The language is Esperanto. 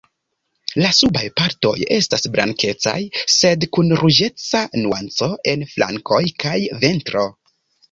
La subaj partoj estas blankecaj, sed kun ruĝeca nuanco en flankoj kaj ventro.